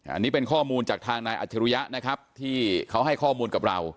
อันนี้เป็นข้อมูลจากทางนายอัจฉริยะนะครับที่เขาให้ข้อมูลกับเรา